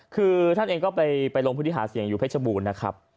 คือท่านเองก็ไปลงพื้นที่หาเสียงอยู่เพชรบูรณ์นะครับ